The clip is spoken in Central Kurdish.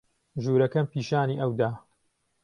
ژوورەکەم پیشانی ئەو دا.